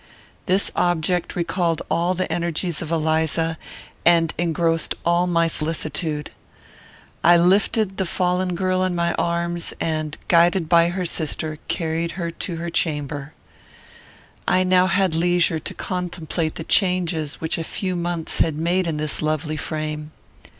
This object recalled all the energies of Eliza, and engrossed all my solicitude. I lifted the fallen girl in my arms; and, guided by her sister, carried her to her chamber. I had now leisure to contemplate the changes which a few months had made in this lovely frame.